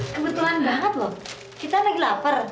kebetulan banget loh kita lagi lapar